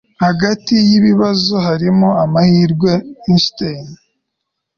hagati y'ibibazo harimo amahirwe - a einstein